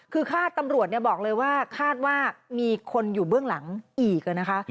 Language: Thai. คือคาดตำรวจบอกเลยว่าคาดว่ามีคนอยู่เบื้องหลังอีกนะคะ